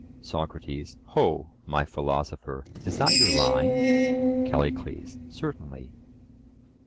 SOCRATES: Ho! my philosopher, is that your line? CALLICLES: Certainly.